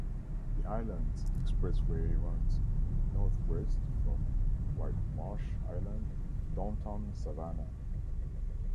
The Islands Expressway runs northwest from Whitemarsh Island to downtown Savannah.